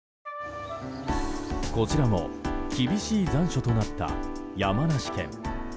こちらも厳しい残暑となった山梨県。